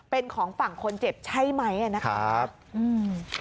เป็นของฝั่งคนเจ็บใช่ไหมอ่ะนะครับอืม